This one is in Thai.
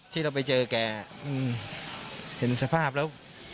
ที่เราไปเจอแกเห็นสภาพแล้ว